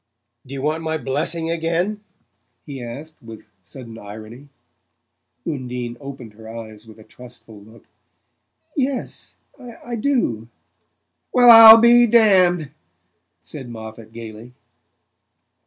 "Do you want my blessing again?" he asked with sudden irony. Undine opened her eyes with a trustful look. "Yes I do." "Well I'll be damned!" said Moffatt gaily.